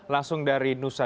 langsung dari nusa dua bali